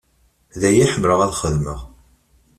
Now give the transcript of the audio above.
D aya i ḥemmleɣ ad xedmeɣ.